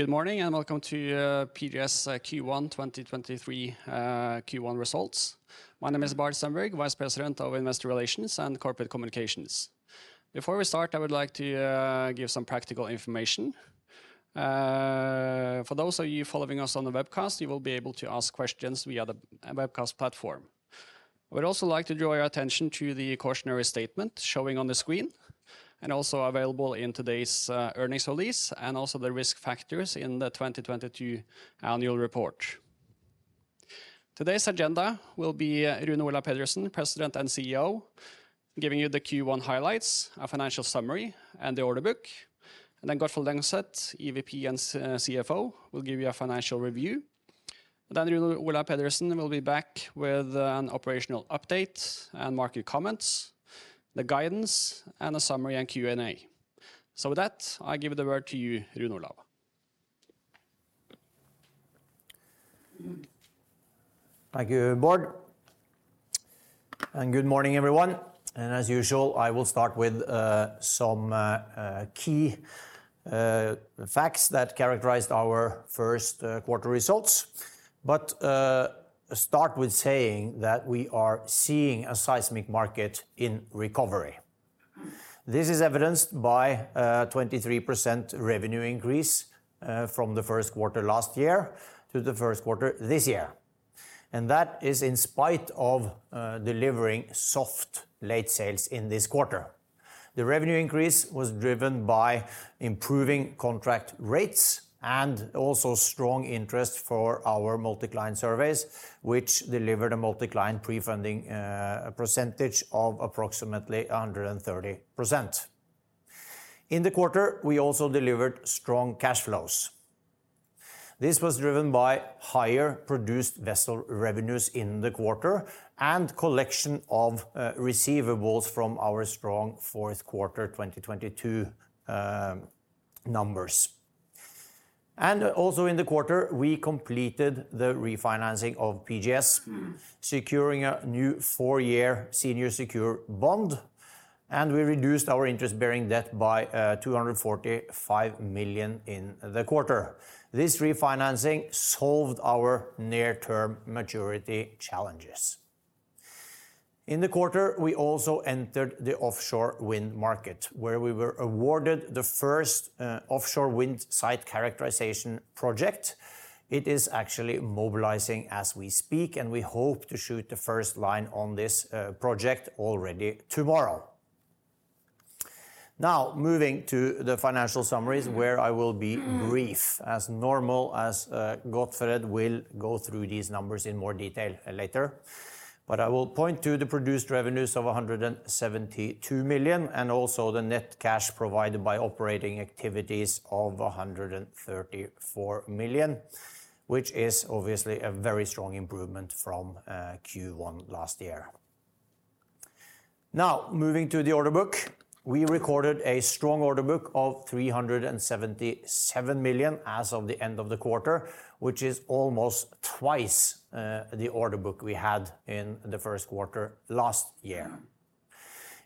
Good morning. Welcome to PGS Q1 2023 Q1 results. My name is Bård Stenberg, Vice President of Investor Relations and Corporate Communications. Before we start, I would like to give some practical information. For those of you following us on the webcast, you will be able to ask questions via the webcast platform. We'd also like to draw your attention to the cautionary statement showing on the screen and also available in today's earnings release and also the risk factors in the 2022 Annual Report. Today's agenda will be Rune Olav Pedersen, President and CEO, giving you the Q1 highlights, a financial summary, and the order book. Gottfred Langseth, EVP and CFO, will give you a financial review. Rune Olav Pedersen will be back with an operational update and market comments, the guidance and a summary and Q&A. With that, I give the word to you, Rune Olav. Thank you, Bård. Good morning, everyone. As usual, I will start with some key facts that characterized our first quarter results. Start with saying that we are seeing a seismic market in recovery. This is evidenced by 23% revenue increase from the first quarter last year to the first quarter this year. That is in spite of delivering soft late sales in this quarter. The revenue increase was driven by improving contract rates and also strong interest for our MultiClient surveys, which delivered a MultiClient pre-funding percentage of approximately 130%. In the quarter, we also delivered strong cash flows. This was driven by higher produced vessel revenues in the quarter and collection of receivables from our strong fourth quarter 2022 numbers. Also in the quarter, we completed the refinancing of PGS, securing a new 4-year senior secured bond, and we reduced our interest-bearing debt by $245 million in the quarter. This refinancing solved our near-term maturity challenges. In the quarter, we also entered the offshore wind market, where we were awarded the first offshore wind site characterization project. It is actually mobilizing as we speak, and we hope to shoot the first line on this project already tomorrow. Moving to the financial summaries where I will be brief as normal as Gottfred will go through these numbers in more detail later. I will point to the produced revenues of $172 million and also the net cash provided by operating activities of $134 million, which is obviously a very strong improvement from Q1 last year. Moving to the order book. We recorded a strong order book of $377 million as of the end of the quarter, which is almost twice the order book we had in the first quarter last year.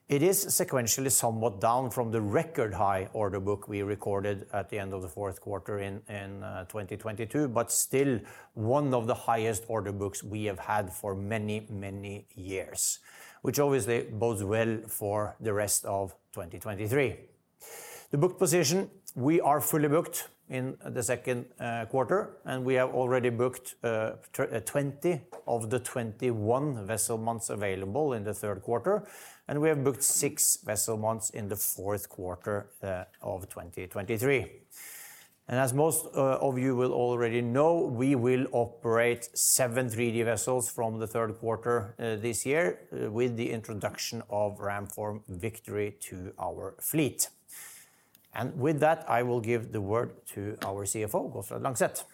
It is sequentially somewhat down from the record-high order book we recorded at the end of the fourth quarter in 2022, but still one of the highest order books we have had for many years, which obviously bodes well for the rest of 2023. The book position, we are fully booked in the second quarter, and we have already booked 20 of the 21 vessel months available in the third quarter, and we have booked six vessel months in the fourth quarter of 2023. As most of you will already know, we will operate seven 3D vessels from the third quarter, this year with the introduction of Ramform Victory to our fleet. With that, I will give the word to our CFO, Gottfred Langseth.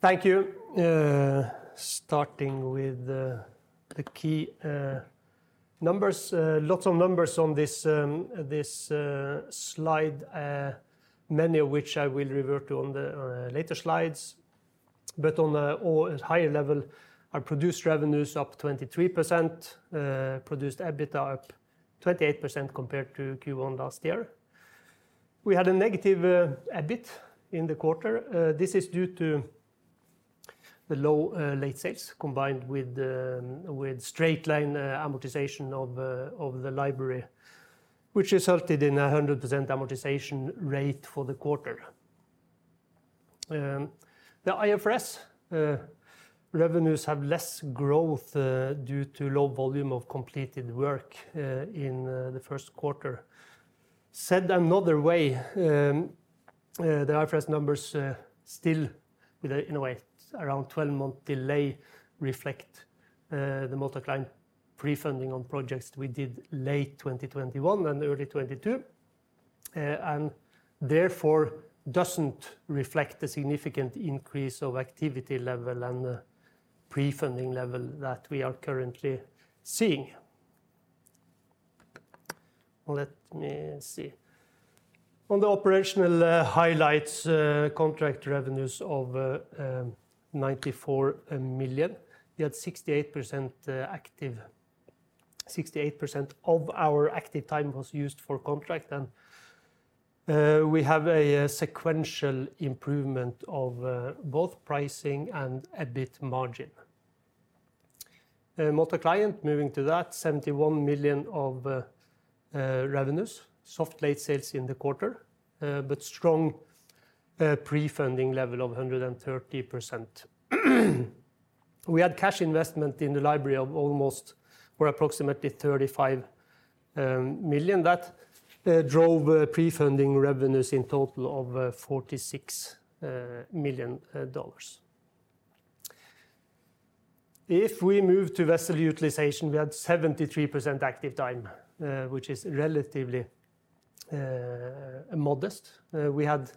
Thank you. Starting with the key numbers, lots of numbers on this slide, many of which I will revert to on the later slides. On or at higher level, our produced revenue is up 23%, produced EBITDA up 28% compared to Q1 last year. We had a negative EBIT in the quarter. This is due to the low late sales combined with straight-line amortization of the library, which resulted in a 100% amortization rate for the quarter. The IFRS revenues have less growth due to low volume of completed work in the first quarter. Said another way, the IFRS numbers still with a, in a way, around 12-month delay reflect the MultiClient pre-funding on projects we did late 2021 and early 2022. Therefore, doesn't reflect the significant increase of activity level and the pre-funding level that we are currently seeing. Let me see. On the operational highlights, contract revenues of $94 million. We had 68% of our active time was used for contract and we have a sequential improvement of both pricing and EBIT margin. MultiClient, moving to that, $71 million of revenues, soft late sales in the quarter, but strong pre-funding level of 130%. We had cash investment in the library of almost or approximately $35 million. That drove pre-funding revenues in total of $46 million. If we move to vessel utilization, we had 73% active time, which is relatively modest. We had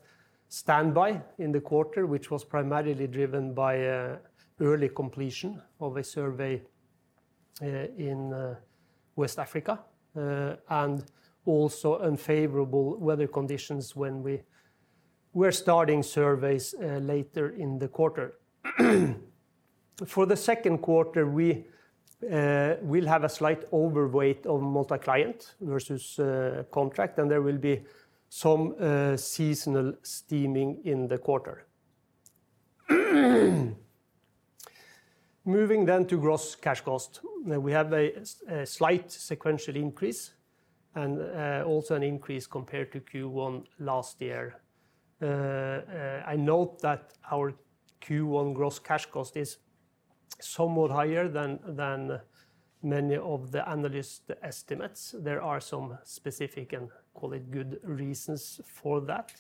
standby in the quarter, which was primarily driven by early completion of a survey in West Africa, and also unfavorable weather conditions when we were starting surveys later in the quarter. For the second quarter, we will have a slight overweight of MultiClient versus contract, and there will be some seasonal steaming in the quarter. Moving to gross cash cost. We have a slight sequential increase and also an increase compared to Q1 last year. I note that our Q1 gross cash cost is somewhat higher than many of the analyst estimates. There are some specific and call it good reasons for that.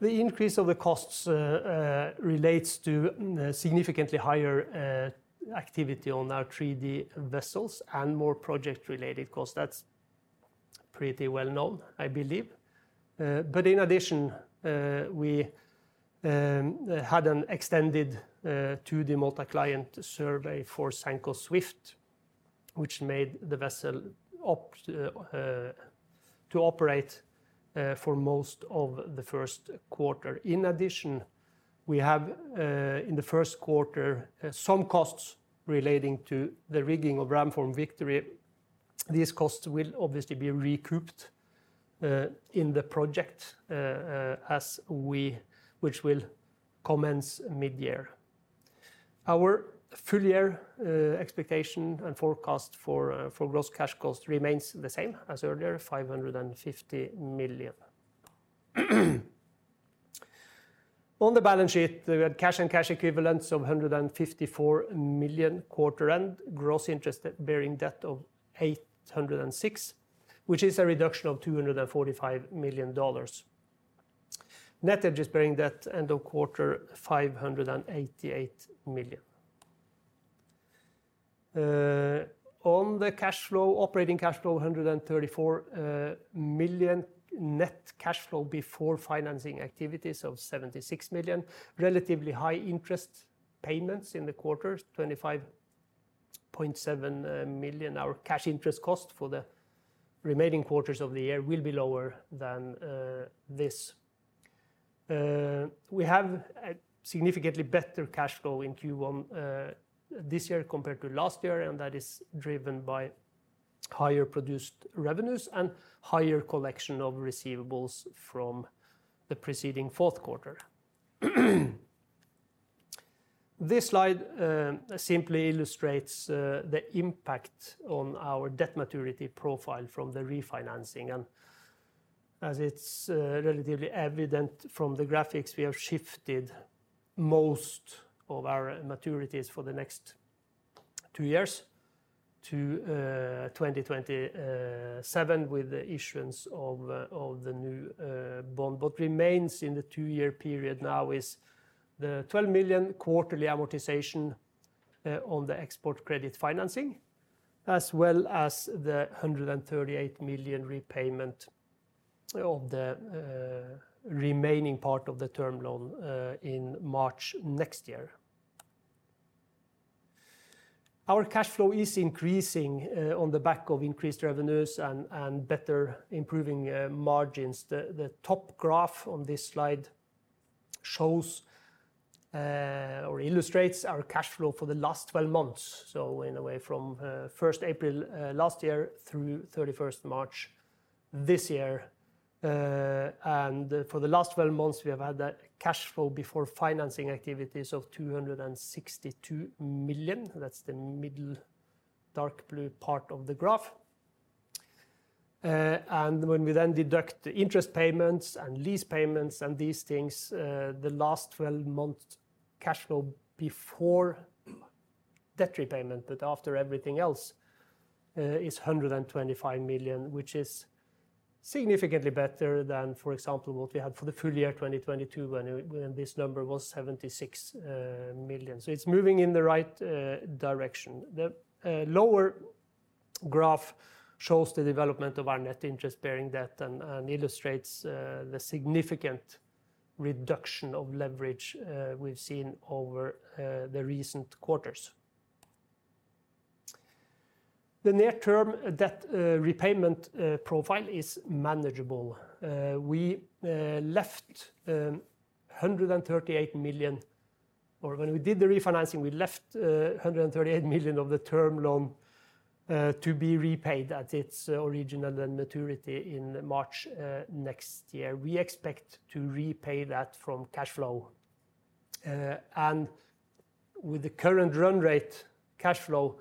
The increase of the costs relates to significantly higher activity on our 3D vessels and more project-related costs. That's pretty well-known, I believe. In addition, we had an extended 2D MultiClient survey for Sanco Swift, which made the vessel op to operate for most of the first quarter. In addition, we have in the first quarter some costs relating to the rigging of Ramform Victory. These costs will obviously be recouped in the project which will commence mid-year. Our full year expectation and forecast for gross cash cost remains the same as earlier, $550 million. On the balance sheet, we had cash and cash equivalents of $154 million quarter end, gross interest bearing debt of $806 million, which is a reduction of $245 million. Net interest bearing debt end of quarter, $588 million. On the cash flow, operating cash flow, $134 million net cash flow before financing activities of $76 million. Relatively high interest payments in the quarter, $25.7 million. Our cash interest cost for the remaining quarters of the year will be lower than this. We have a significantly better cash flow in Q1 this year compared to last year, and that is driven by higher produced revenues and higher collection of receivables from the preceding fourth quarter. This slide simply illustrates the impact on our debt maturity profile from the refinancing. As it's relatively evident from the graphics, we have shifted most of our maturities for the next two years to 2027 with the issuance of the new bond. What remains in the two-year period now is the $12 million quarterly amortization on the export credit financing, as well as the $138 million repayment of the remaining part of the Term Loan B stub in March next year. Our cash flow is increasing on the back of increased revenues and better improving margins. The top graph on this slide shows or illustrates our cash flow for the last 12 months. In a way from first April last year through 31st March this year. For the last 12 months, we have had that cash flow before financing activities of $262 million. That's the middle dark blue part of the graph. When we then deduct the interest payments and lease payments and these things, the last 12-month cash flow before debt repayment, but after everything else, is $125 million, which is significantly better than, for example, what we had for the full year 2022 when this number was $76 million. It's moving in the right direction. The lower graph shows the development of our net interest-bearing debt and illustrates the significant reduction of leverage we've seen over the recent quarters. The near-term debt repayment profile is manageable. When we did the refinancing, we left $138 million of the Term Loan to be repaid at its original maturity in March next year. We expect to repay that from cash flow. With the current run rate cash flow,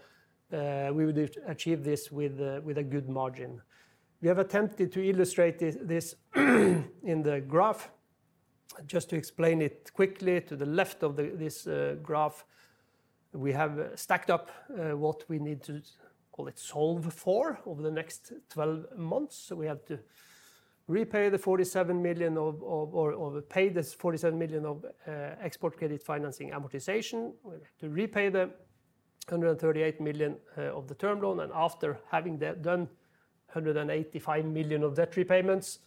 we would achieve this with a good margin. We have attempted to illustrate this in the graph. Just to explain it quickly, to the left of this graph, we have stacked up what we need to call it solve for over the next 12 months. We have to repay the $47 million, or pay this $47 million of export credit financing amortization. We have to repay the $138 million of the Term Loan. After having that done, $185 million of debt repayments,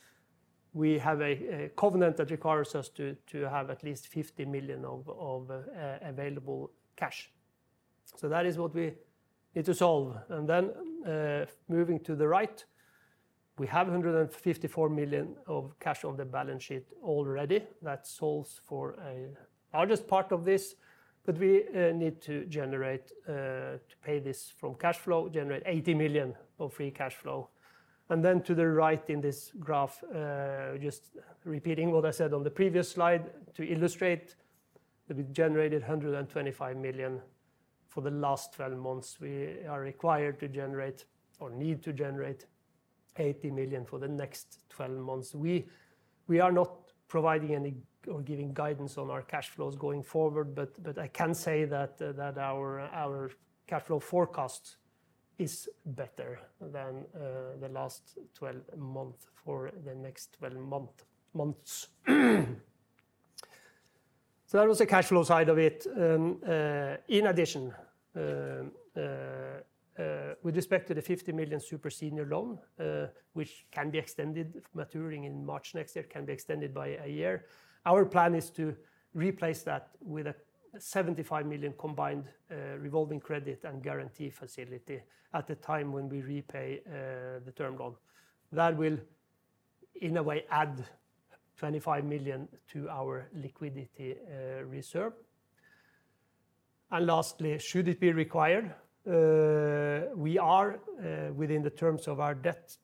we have a covenant that requires us to have at least $50 million of available cash. That is what we need to solve. Moving to the right, we have $154 million of cash on the balance sheet already that solves for a largest part of this. We need to generate to pay this from cash flow, generate $80 million of free cash flow. To the right in this graph, just repeating what I said on the previous slide to illustrate that we generated $125 million for the last 12 months. We are required to generate or need to generate $80 million for the next 12 months. We are not providing any or giving guidance on our cash flows going forward, but I can say that our cash flow forecast is better than the last 12 months for the next 12 months. That was the cash flow side of it. In addition, with respect to the $50 million super senior loan, which can be extended maturing in March next year, can be extended by a year. Our plan is to replace that with a $75 million combined revolving credit and guarantee facility at the time when we repay the Term Loan. That will, in a way, add $25 million to our liquidity reserve. Lastly, should it be required, we are within the terms of our debt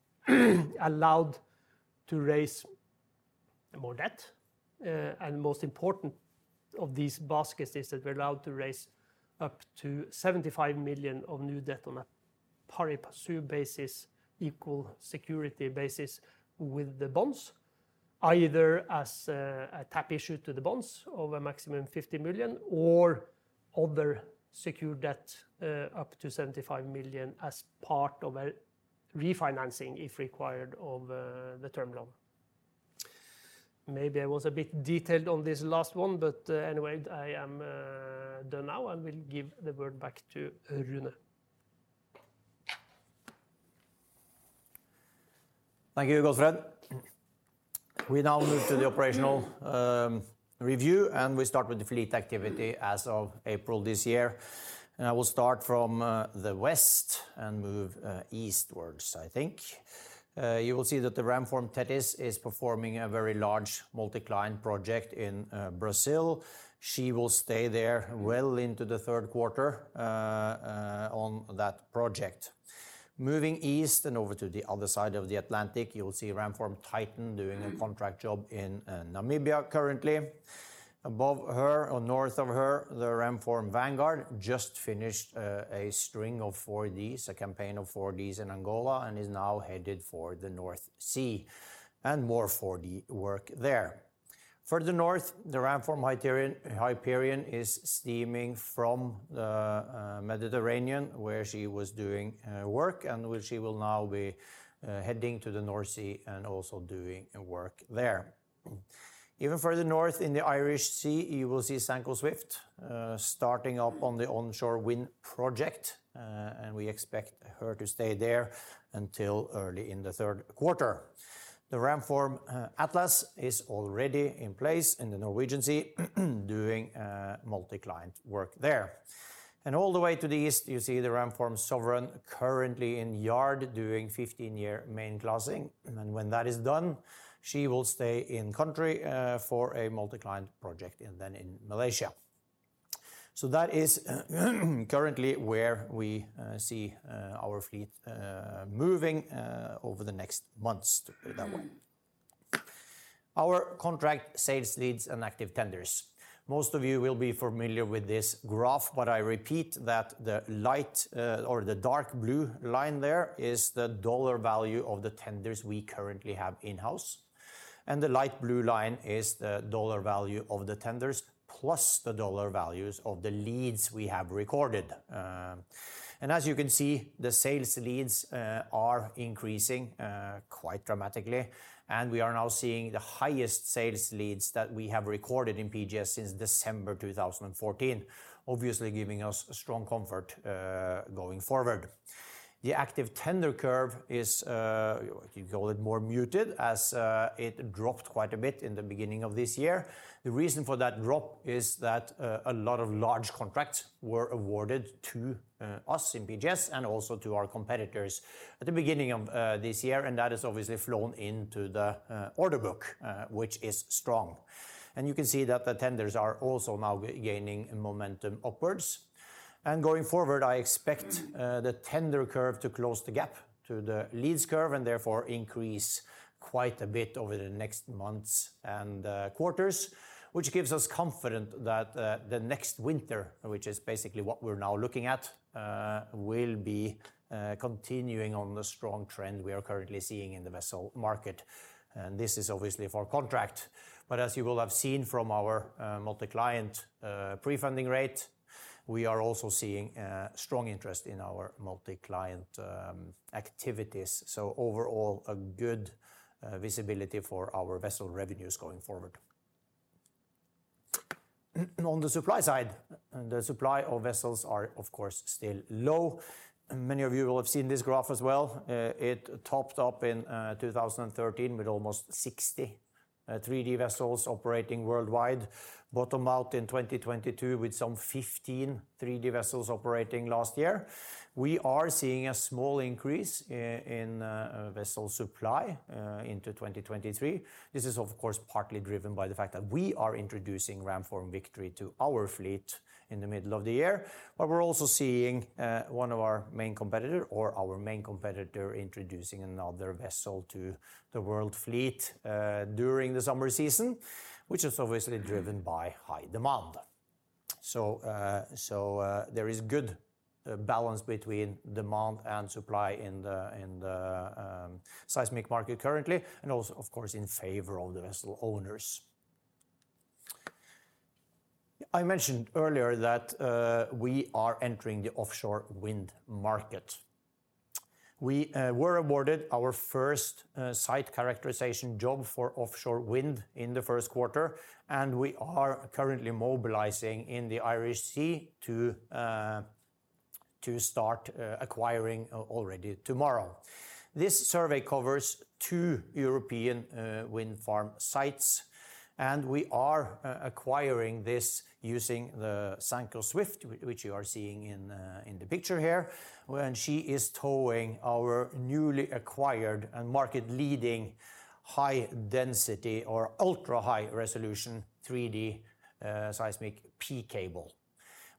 allowed to raise more debt. Most important of these baskets is that we're allowed to raise up to $75 million of new debt on a pari passu basis, equal security basis with the bonds, either as a tap issue to the bonds of a maximum $50 million or other secured debt up to $75 million as part of a refinancing, if required, of the term loan. Maybe I was a bit detailed on this last one, but anyway, I am done now and will give the word back to Rune. Thank you, Gottfred. We now move to the operational review, and we start with the fleet activity as of April this year. I will start from the west and move eastwards, I think. You will see that the Ramform Tethys is performing a very large MultiClient project in Brazil. She will stay there well into the third quarter on that project. Moving east and over to the other side of the Atlantic, you will see Ramform Titan doing a contract job in Namibia currently. Above her or north of her, the Ramform Vanguard just finished a string of 4Ds, a campaign of 4Ds in Angola and is now headed for the North Sea and more 4D work there. Further north, the Ramform Hyperion is steaming from the Mediterranean, where she was doing work and where she will now be heading to the North Sea and also doing work there. Even further north in the Irish Sea, you will see Sanco Swift starting up on the offshore wind project, and we expect her to stay there until early in the third quarter. The Ramform Atlas is already in place in the Norwegian Sea doing MultiClient work there. All the way to the east, you see the Ramform Sovereign currently in yard doing 15-year main classing. When that is done, she will stay in country for a MultiClient project and then in Malaysia. That is currently where we see our fleet moving over the next months that way. Our contract sales leads and active tenders. Most of you will be familiar with this graph, but I repeat that the light or the dark blue line there is the dollar value of the tenders we currently have in-house. The light blue line is the dollar value of the tenders plus the dollar values of the leads we have recorded. As you can see, the sales leads are increasing quite dramatically. We are now seeing the highest sales leads that we have recorded in PGS since December 2014. Obviously giving us strong comfort going forward. The active tender curve is, you can call it more muted as, it dropped quite a bit in the beginning of this year. the reason for that drop is that a lot of large contracts were awarded to us in PGS and also to our competitors at the beginning of this year and that has obviously flown into the order book, which is strong. You can see that the tenders are also now gaining momentum upwards. Going forward, I expect the tender curve to close the gap to the leads curve and therefore increase quite a bit over the next months and quarters, which gives us confident that the next winter, which is basically what we're now looking at, will be continuing on the strong trend we are currently seeing in the vessel market. This is obviously for contract As you will have seen from our MultiClient pre-funding rate, we are also seeing strong interest in our MultiClient activities. Overall, a good visibility for our vessel revenues going forward. On the supply side, the supply of vessels are, of course, still low. Many of you will have seen this graph as well. It topped up in 2013 with almost 60 3D vessels operating worldwide. Bottom out in 2022 with some 15 3D vessels operating last year. We are seeing a small increase in vessel supply into 2023. This is of course, partly driven by the fact that we are introducing Ramform Victory to our fleet in the middle of the year. We're also seeing one of our main competitor introducing another vessel to the world fleet during the summer season, which is obviously driven by high demand. There is good balance between demand and supply in the seismic market currently, and also, of course, in favor of the vessel owners. I mentioned earlier that we are entering the offshore wind market. We were awarded our first site characterization job for offshore wind in the first quarter, and we are currently mobilizing in the Irish Sea to start acquiring already tomorrow. This survey covers two European wind farm sites. We are acquiring this using the Sanco Swift, which you are seeing in the picture here, when she is towing our newly acquired and market leading high density or ultra-high resolution 3D seismic P-Cable,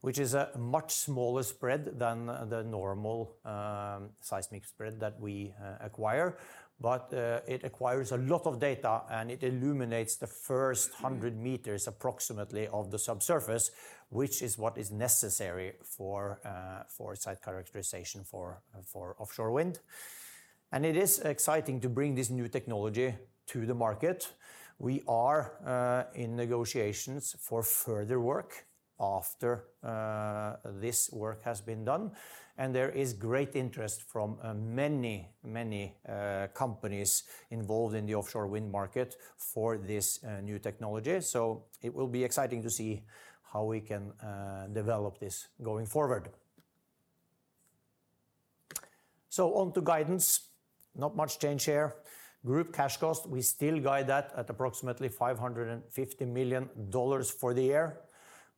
which is a much smaller spread than the normal, seismic spread that we acquire. It acquires a lot of data, and it illuminates the first 100 m approximately of the subsurface, which is what is necessary for site characterization for offshore wind. It is exciting to bring this new technology to the market. We are in negotiations for further work after this work has been done. There is great interest from many companies involved in the offshore wind market for this new technology. It will be exciting to see how we can develop this going forward. On to guidance, not much change here. Group cash cost, we still guide that at approximately $550 million for the year.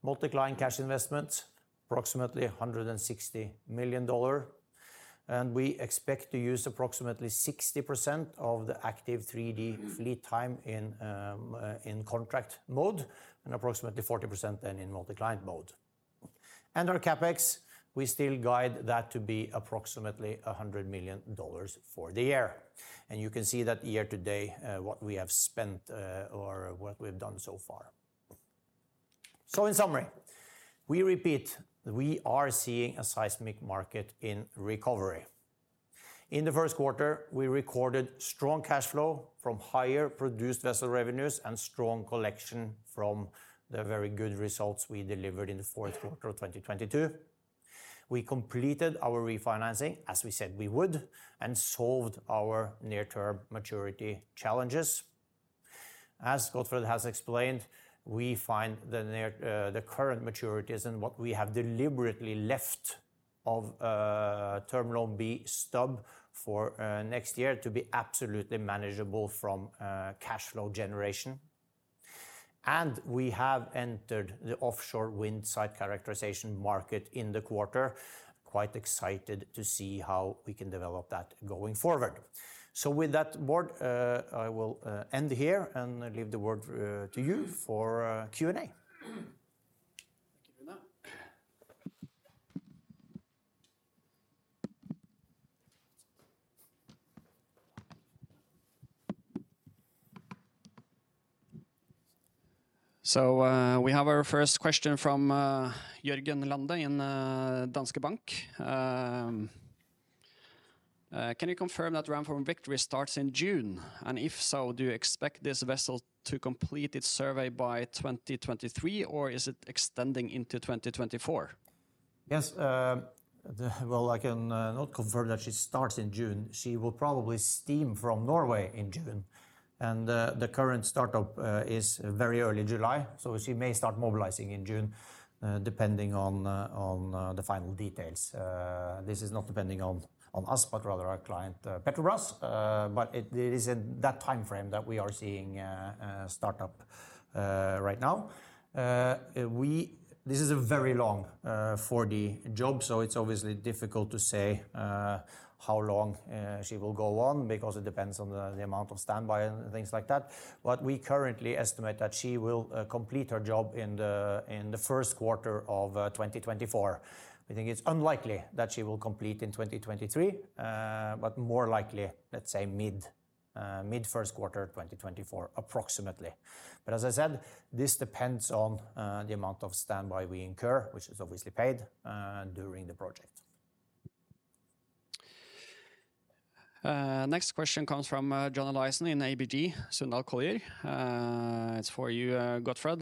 MultiClient cash investment, approximately $160 million. We expect to use approximately 60% of the active 3D fleet time in contract mode and approximately 40% then in MultiClient mode. Our CapEx, we still guide that to be approximately $100 million for the year. You can see that year to date, what we have spent or what we've done so far. In summary, we repeat that we are seeing a seismic market in recovery. In the first quarter, we recorded strong cash flow from higher produced vessel revenues and strong collection from the very good results we delivered in the fourth quarter of 2022. We completed our refinancing, as we said we would, and solved our near-term maturity challenges. As Gottfred has explained, we find the current maturities and what we have deliberately left of Term Loan B stub for next year to be absolutely manageable from cash flow generation. We have entered the offshore wind site characterization market in the quarter. Quite excited to see how we can develop that going forward. With that Bård, I will end here and leave the word to you for Q&A. We have our first question from Jørgen Lande in Danske Bank. Can you confirm that Ramform Victory starts in June? If so, do you expect this vessel to complete its survey by 2023, or is it extending into 2024? Yes. Well, I can not confirm that she starts in June. She will probably steam from Norway in June. The current startup is very early July, so she may start mobilizing in June, depending on the final details. This is not depending on us, but rather our client, Petrobras. But it is in that timeframe that we are seeing startup right now. This is a very long 4D job, so it's obviously difficult to say how long she will go on because it depends on the amount of standby and things like that. We currently estimate that she will complete her job in the first quarter of 2024. I think it's unlikely that she will complete in 2023, more likely, let's say, mid-first quarter 2024 approximately. As I said, this depends on the amount of standby we incur, which is obviously paid during the project. Next question comes from John Olaisen in ABG Sundal Collier. It's for you, Gottfred.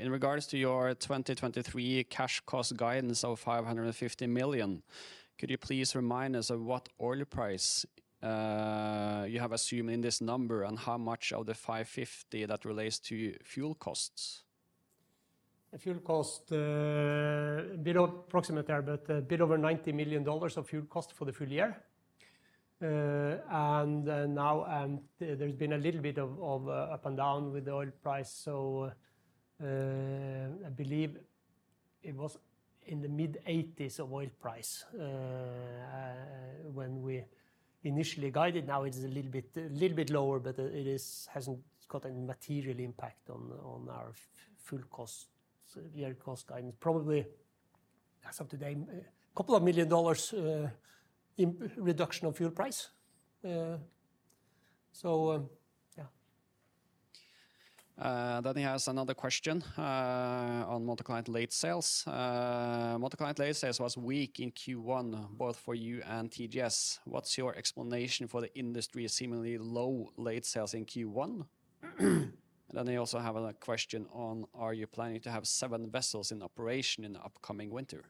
In regards to your 2023 cash cost guidance of $550 million, could you please remind us of what oil price you have assumed in this number, and how much of the $550 that relates to fuel costs? The fuel cost, a bit approximate there, but a bit over $90 million of fuel cost for the full year. Now, there's been a little bit of up and down with the oil price. I believe it was in the mid-80s of oil price when we initially guided. Now it is a little bit lower, but it hasn't got a material impact on our fuel costs, year cost. I'm probably, as of today, couple of million dollars in reduction of fuel price. Yeah. He has another question on MultiClient late sales. MultiClient late sales was weak in Q1, both for you and TGS. What's your explanation for the industry's seemingly low late sales in Q1? They also have a question on are you planning to have seven vessels in operation in the upcoming winter?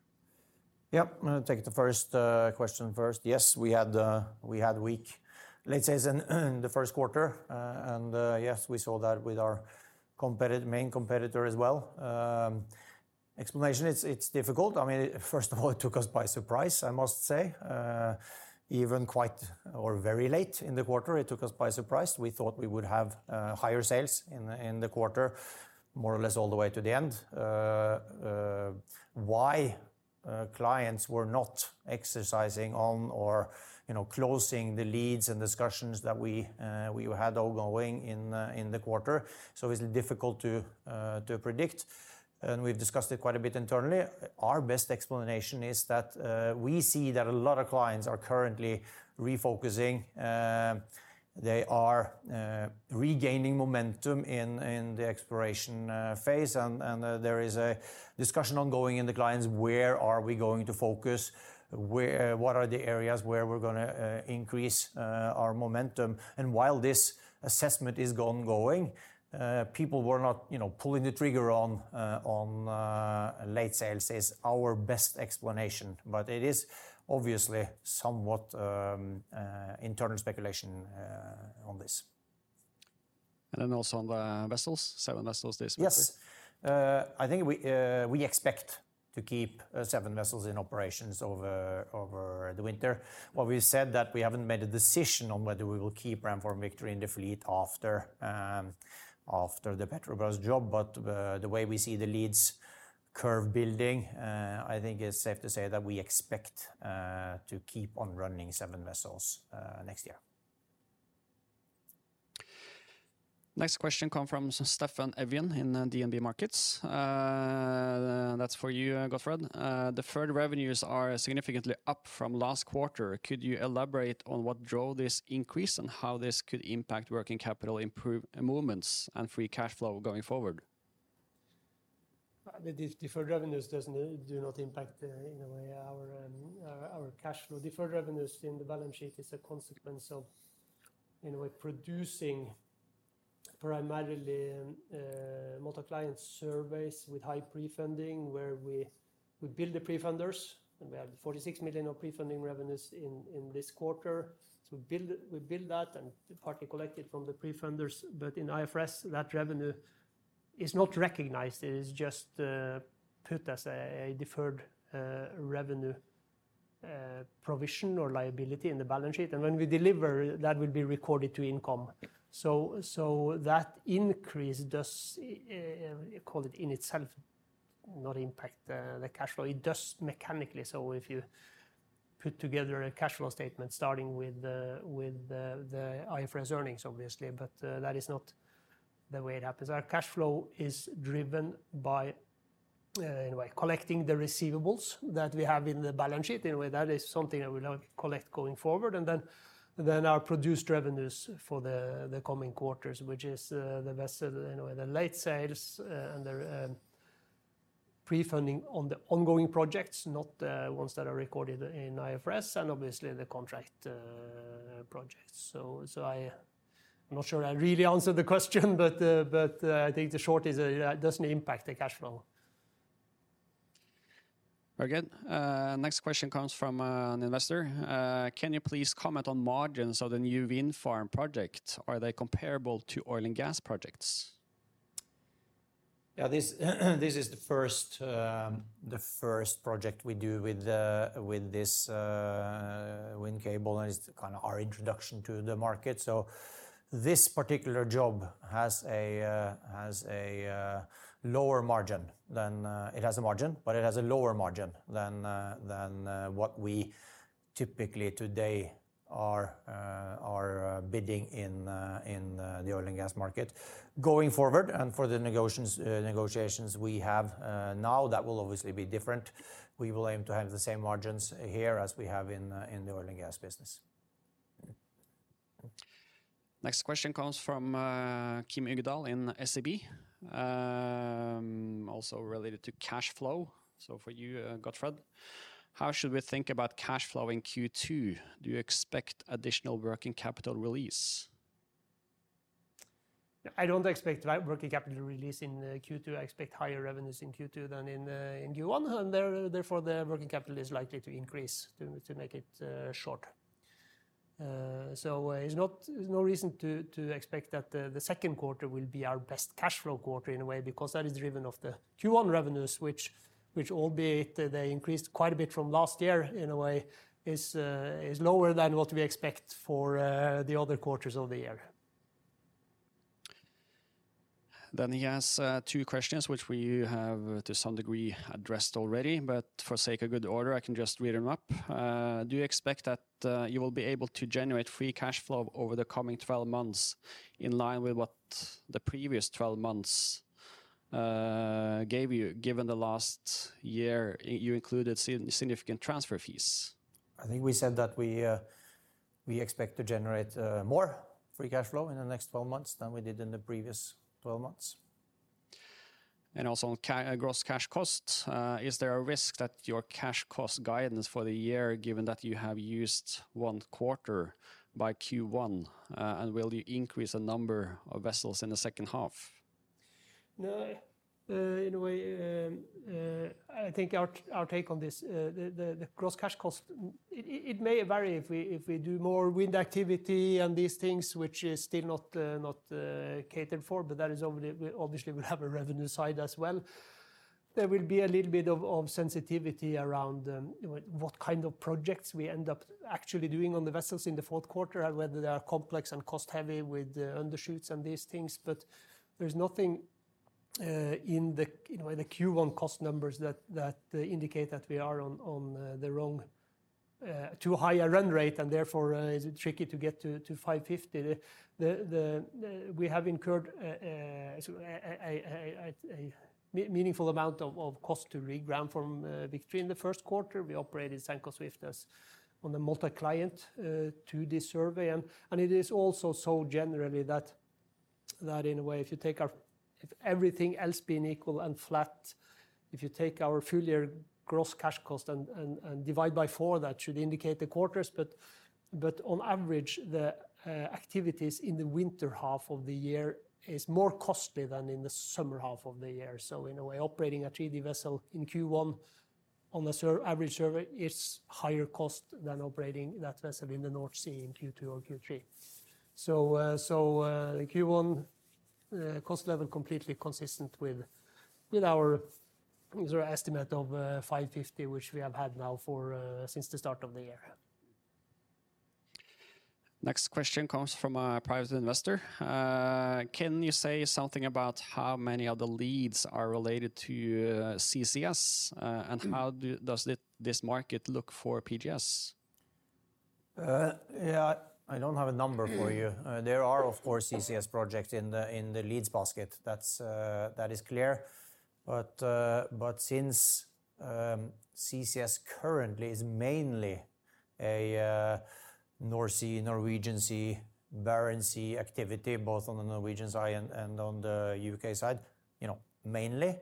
Yep. I'm gonna take the first question first. Yes, we had weak late sales in the first quarter. Yes, we saw that with our main competitor as well. Explanation, it's difficult. I mean, first of all, it took us by surprise, I must say. Even quite or very late in the quarter, it took us by surprise. We thought we would have higher sales in the quarter more or less all the way to the end. Why, clients were not exercising on or, you know, closing the leads and discussions that we had ongoing in the quarter, so it's difficult to predict. We've discussed it quite a bit internally. Our best explanation is that we see that a lot of clients are currently refocusing. They are regaining momentum in the exploration phase and there is a discussion ongoing in the clients, where are we going to focus? What are the areas where we're gonna increase our momentum? While this assessment is ongoing, people were not, you know, pulling the trigger on late sales is our best explanation. It is obviously somewhat internal speculation on this. Also on the vessels, seven vessels this winter. Yes. I think we expect to keep seven vessels in operations over the winter. What we said that we haven't made a decision on whether we will keep Ramform Victory in the fleet after the Petrobras job. The way we see the leads curve building, I think it's safe to say that we expect to keep on running seven vessels next year. Next question come from Steffen Evjen in DNB Markets. That's for you, Gottfred. Deferred revenues are significantly up from last quarter. Could you elaborate on what drove this increase and how this could impact working capital movements and free cash flow going forward? The deferred revenues do not impact in a way our cash flow. Deferred revenues in the balance sheet is a consequence of, in a way, producing primarily MultiClient surveys with high prefunding where we build the prefunders, and we have $46 million of prefunding revenues in this quarter. We build that and partly collect it from the prefunders. In IFRS, that revenue is not recognized. It is just put as a deferred revenue provision or liability in the balance sheet. When we deliver, that will be recorded to income. That increase does call it in itself not impact the cash flow. It does mechanically. If you put together a cash flow statement starting with the IFRS earnings, obviously, but that is not the way it happens. Our cash flow is driven by, in a way, collecting the receivables that we have in the balance sheet. In a way, that is something that we'll collect going forward. Then our produced revenues for the coming quarters, which is, the vessel, in a way, the late sales, and the prefunding on the ongoing projects, not, ones that are recorded in IFRS and obviously the contract projects. I'm not sure I really answered the question, but I think the short is, it doesn't impact the cash flow. Very good. Next question comes from an investor. Can you please comment on margins of the new wind farm project? Are they comparable to oil and gas projects? This is the first project we do with this wind cable, and it's kind of our introduction to the market. This particular job has a lower margin than it has a margin, but it has a lower margin than what we typically today are bidding in the oil and gas market. Going forward and for the negotiations we have now that will obviously be different. We will aim to have the same margins here as we have in the oil and gas business. Next question comes from Kim Uggedal in SEB. Also related to cash flow. For you, Gottfred. How should we think about cash flow in Q2? Do you expect additional working capital release? I don't expect working capital release in Q2. I expect higher revenues in Q2 than in Q1. Therefore, the working capital is likely to increase to make it short. It's not there's no reason to expect that the second quarter will be our best cash flow quarter in a way, because that is driven of the Q1 revenues, which albeit they increased quite a bit from last year, in a way, is lower than what we expect for the other quarters of the year. He has two questions which we have to some degree addressed already, but for sake of good order, I can just read them up. Do you expect that you will be able to generate free cash flow over the coming 12 months in line with what the previous 12 months gave you, given the last year you included significant transfer fees? I think we said that we expect to generate more free cash flow in the next 12 months than we did in the previous 12 months. Also on gross cash costs, is there a risk that your cash cost guidance for the year, given that you have used one quarter by Q1, and will you increase the number of vessels in the second half? No. In a way, I think our take on this, the, the gross cash cost, it, it may vary if we, if we do more wind activity and these things which is still not catered for, but that is obviously will have a revenue side as well. There will be a little bit of sensitivity around what kind of projects we end up actually doing on the vessels in the fourth quarter and whether they are complex and cost-heavy with undershoots and these things. But there's nothing, in the, you know, in the Q1 cost numbers that indicate that we are on, the wrong, too high a run rate and therefore, is it tricky to get to $550. We have incurred a meaningful amount of cost to rig Ramform Victory in the first quarter. We operated Sanco Swift on the MultiClient 2D survey. It is also so generally that in a way, if you take if everything else being equal and flat, if you take our full year gross cash cost and divide by four, that should indicate the quarters. On average, the activities in the winter half of the year is more costly than in the summer half of the year. In a way, operating a 3D vessel in Q1 on a average survey is higher cost than operating that vessel in the North Sea in Q2 or Q3. The Q1 cost level completely consistent with our user estimate of $550, which we have had now for since the start of the year. Next question comes from a private investor. Can you say something about how many of the leads are related to CCS, and how does this market look for PGS? Yeah, I don't have a number for you. There are of course CCS projects in the, in the leads basket. That's that is clear. Since CCS currently is mainly a North Sea, Norwegian Sea, Barents Sea activity, both on the Norwegian side and on the U.K. side, you know, mainly,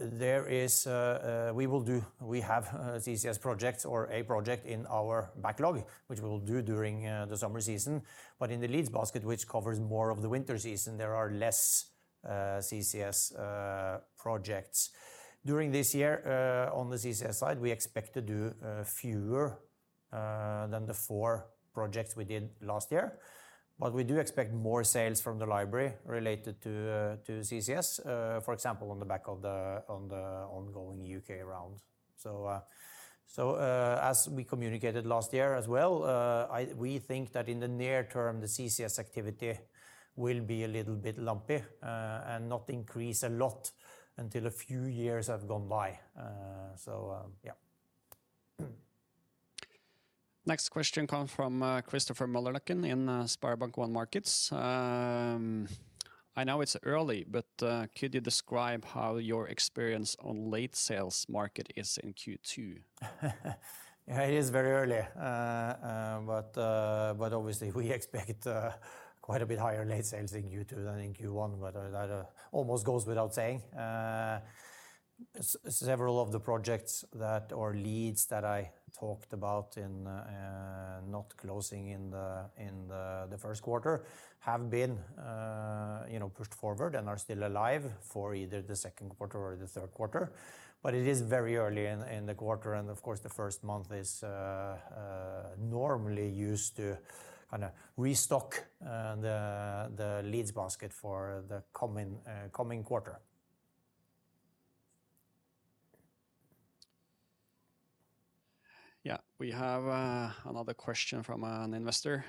there is we have CCS projects or a project in our backlog, which we will do during the summer season. In the leads basket, which covers more of the winter season, there are less CCS projects. During this year, on the CCS side, we expect to do fewer than the four projects we did last year. We do expect more sales from the library related to CCS, for example, on the back of the ongoing U.K. round. As we communicated last year as well, we think that in the near term, the CCS activity will be a little bit lumpy, and not increase a lot until a few years have gone by. Next question come from Christopher Møllerløkken in SpareBank 1 Markets. I know it's early, but could you describe how your experience on late sales market is in Q2? It is very early. But obviously we expect quite a bit higher late sales in Q2 than in Q1, but that almost goes without saying. Several of the projects that, or leads that I talked about in not closing in the first quarter have been, you know, pushed forward and are still alive for either the second quarter or the third quarter. It is very early in the quarter, and of course, the first month is normally used to kinda restock the leads basket for the coming quarter. Yeah. We have another question from an investor.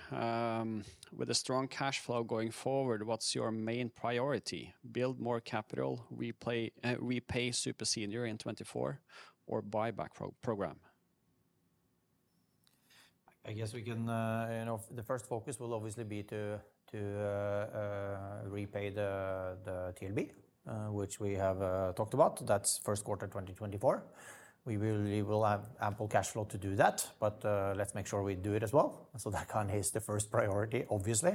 With a strong cash flow going forward, what's your main priority? Build more capital, repay super senior in 2024, or buyback program? I guess we can, you know, the first focus will obviously be to repay the TLB, which we have talked about. That's first quarter 2024. We will have ample cash flow to do that, but let's make sure we do it as well. That kind is the first priority, obviously.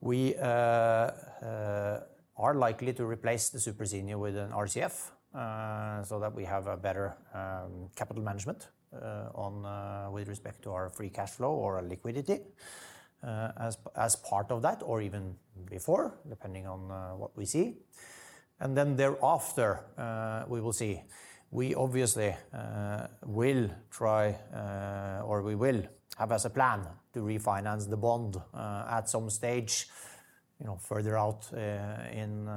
We are likely to replace the super senior with an RCF, so that we have a better capital management on with respect to our free cash flow or our liquidity as part of that or even before, depending on what we see. Thereafter, we will see. We obviously will try, or we will have as a plan to refinance the bond at some stage, you know, further out in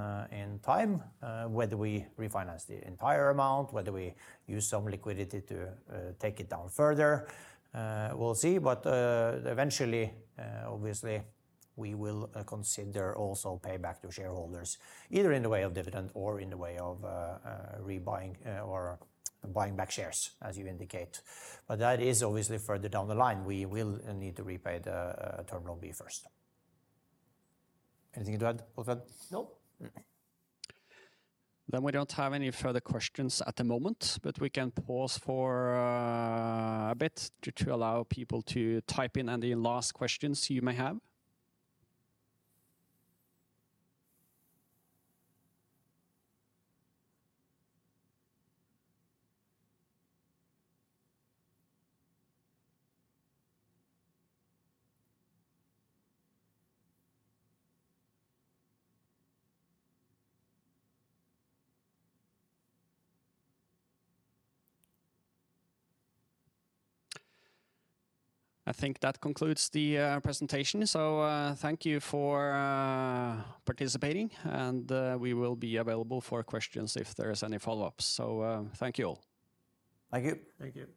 time, whether we refinance the entire amount, whether we use some liquidity to take it down further, we'll see. Eventually, obviously we will consider also pay back to shareholders, either in the way of dividend or in the way of rebuying or buying back shares as you indicate. That is obviously further down the line. We will need to repay the Term Loan B first. Anything to add, Gottfred? No. We don't have any further questions at the moment, but we can pause for a bit to allow people to type in any last questions you may have. I think that concludes the presentation. Thank you for participating and we will be available for questions if there's any follow-ups. Thank you all. Thank you. Thank you.